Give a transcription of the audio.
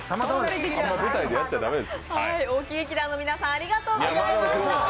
大木劇団の皆さんありがとうございました。